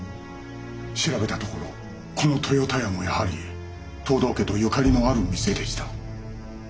調べたところこの豊田屋もやはり藤堂家とゆかりのある店でした。